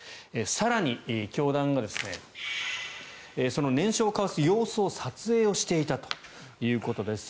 更に教団はその念書を交わす様子を撮影をしていたということです。